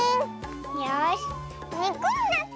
よしにくになったよ。